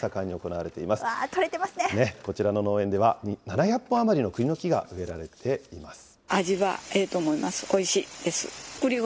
うわー、こちらの農園では、７００本余りのくりの木が植えられています。